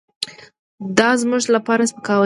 دازموږ لپاره سپکاوی دی .